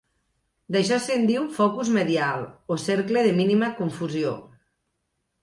D'això se'n diu "focus medial" o "cercle de mínima confusió".